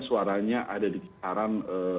suaranya ada di kitaran